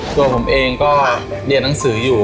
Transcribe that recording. ตัวผมเองก็เรียนหนังสืออยู่